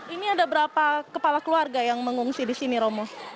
ini ada berapa kepala keluarga yang mengungsi di sini romo